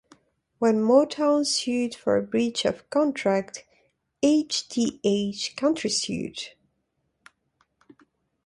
When Motown sued for breach of contract, H-D-H countersued.